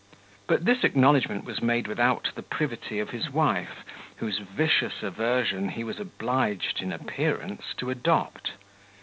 But this acknowledgment was made without the privity of his wife, whose vicious aversion he was obliged, in appearance, to adopt.